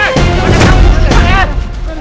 kita mau mereka ke sana